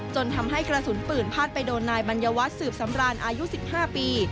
จนทำให้กระสุนปืนพาดไปโดนนายบัญญวัฒน์สืบสำราญอายุ๑๕ปี